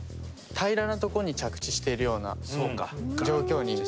平らなとこに着地しているような状況に。